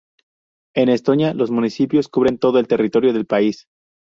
En Estonia, los municipios cubren todo el territorio del país.